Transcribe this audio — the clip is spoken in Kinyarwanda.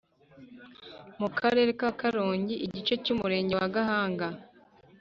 mu Karere ka Karongi igice cy umurenge wa gahanga